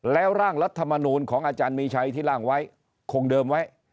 แล้วร่างรัฐมนูลของอาจารย์มีชัยที่ร่างไว้คงเดิมไว้